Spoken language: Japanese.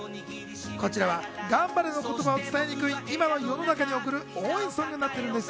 こちらはかんばるの言葉を伝えにくい、今の世の中に送る応援ソングになっています。